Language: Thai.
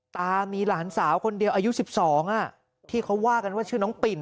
ตามีหลานสาวคนเดียวอายุ๑๒ที่เขาว่ากันว่าชื่อน้องปิ่น